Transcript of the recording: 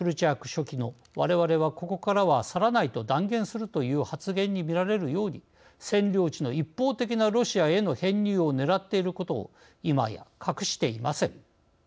書記のわれわれはここからは去らないと断言するという発言にみられるように占領地の一方的なロシアへの編入をねらっていることを今や隠していません。